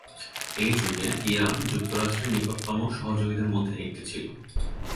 এই যুগে, ইরান যুক্তরাষ্ট্রের নিকটতম সহযোগীদের মধ্যে একটি ছিল।